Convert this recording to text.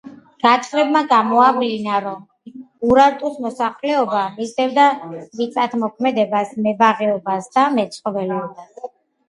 გათხრებმა გამოავლინა, რომ ურარტუს მოსახლეობა მისდევდა მიწათმოქმედებას, მებაღეობასა და მეცხოველეობას.